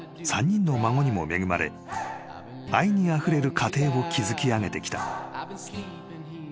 ３人の孫にも恵まれ愛にあふれる家庭を築き上げてきた］